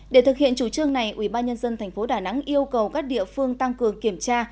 để thực hiện chủ trương này ubnd tp đà nẵng yêu cầu các địa phương tăng cường kiểm tra